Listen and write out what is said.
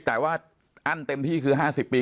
แต่ว่าอั้นเต็มที่คือ๕๐ปี